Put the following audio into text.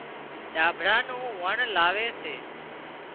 ڏاڀڙا نُون واڻ لاوي سي